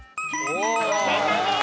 正解です。